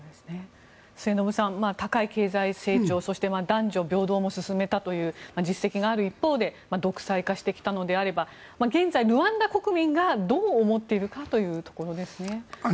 末延さん、高い経済成長そして男女平等も進めたという実績がある一方で独裁化してきたのであれば現在、ルワンダ国民がどう思っているかというところですね。